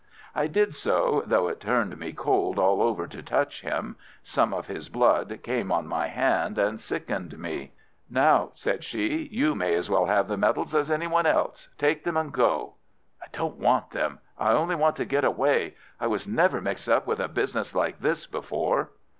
I did so, though it turned me cold all over to touch him. Some of his blood came on my hand and sickened me. "Now," said she, "you may as well have the medals as any one else. Take them and go." "I don't want them. I only want to get away. I was never mixed up with a business like this before."